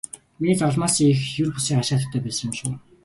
Миний загалмайлсан эх ер бусын хачин хатагтай байсан юм шүү.